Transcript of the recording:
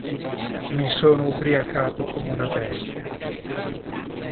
Mi sono ubriacato come una bestia.